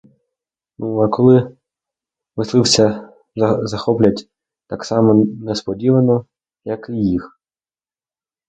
Ну, а коли мисливця захоплять так само несподівано, як і їх?